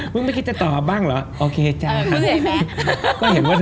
มึงไม่ต่อบ้างเหรอ